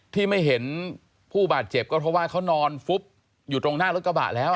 ที่ไม่เห็นผู้บาดเจ็บก็เพราะว่าเขานอนฟุบอยู่ตรงหน้ารถกระบะแล้ว